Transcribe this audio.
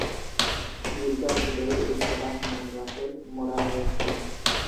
গির্জার ভিতরে এস্তেবান মুনরাসের ম্যুরাল রয়েছে।